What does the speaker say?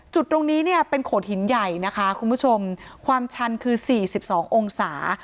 จุดตรงนี้เนี่ยเป็นโขดหินใหญ่นะคะคุณผู้ชมความชันคือ๔๒องศา